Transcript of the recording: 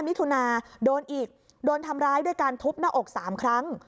มิถุนาโดนอีกโดนทำร้ายด้วยการทุบหน้าอก๓ครั้ง